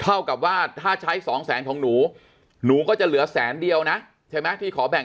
เท่ากับว่าถ้าใช้สองแสนของหนูหนูก็จะเหลือแสนเดียวนะใช่ไหมที่ขอแบ่ง